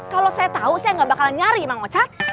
kalau saya tau saya gak bakal nyari mang ocat